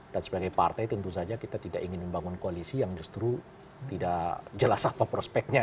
dan sebagai partai tentu saja kita tidak ingin membangun koalisi yang justru tidak jelas apa prospeknya